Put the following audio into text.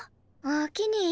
おおきに。